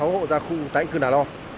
hai mươi sáu hộ ra khu tại cư nà lo